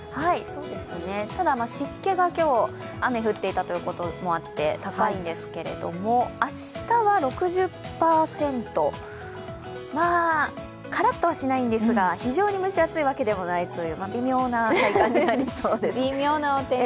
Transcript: ただ、今日、湿気が雨が降っていたということもあって高いんですが明日は６０％、まあカラッとはしないんですが、非常に蒸し暑いわけでもないという微妙な体感になりそうです。